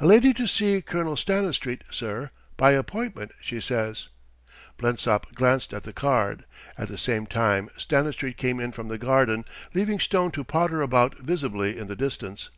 "A lady to see Colonel Stanistreet, sir by appointment, she says." Blensop glanced at the card. At the same time Stanistreet came in from the garden, leaving Stone to potter about visibly in the distance.